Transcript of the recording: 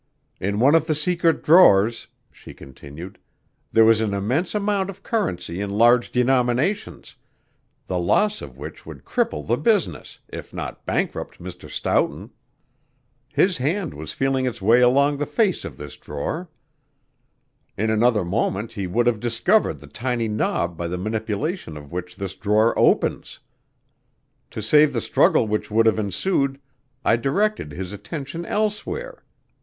"In one of the secret drawers," she continued, "there was an immense amount of currency in large denominations, the loss of which would cripple the business, if not bankrupt Mr. Stoughton. His hand was feeling its way along the face of this drawer. In another moment he would have discovered the tiny knob by the manipulation of which this drawer opens. To save the struggle which would have ensued, I directed his attention elsewhere.